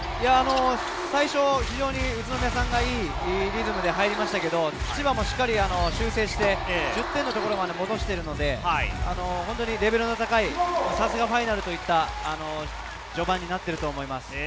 最初、宇都宮さんが良いリズムで入りましたが、千葉もしっかりと修正して、１０点のところまで戻しているので、レベルの高い、さすがファイナルといった序盤になっていると思います。